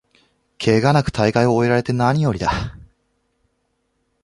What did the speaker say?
ケガなく大会を終えられてなによりだ